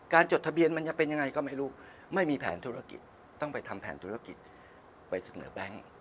จดทะเบียนมันจะเป็นยังไงก็ไม่รู้ไม่มีแผนธุรกิจต้องไปทำแผนธุรกิจไปเสนอแบงค์